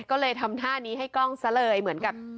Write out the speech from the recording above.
ก็เลยทำท่านี้ให้กล้องซะเลยเหมือนกับ